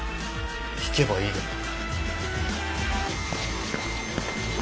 聞けばいいだろ。